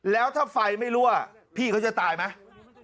แล้วถ้าไฟไม่รั่วพี่เขาจะตายไหม